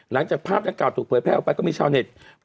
หลังจากภาพดังกล่าถูกเผยแพร่ออกไปก็มีชาวเน็ต